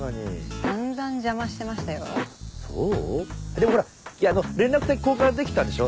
でもほら連絡先交換できたんでしょ？